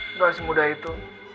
tidak semudah itu